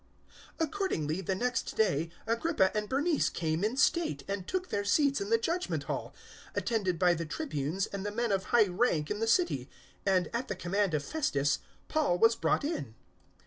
Accordingly, the next day, Agrippa and Bernice came in state 025:023 and took their seats in the Judgement Hall, attended by the Tribunes and the men of high rank in the city; and, at the command of Festus, Paul was brought in.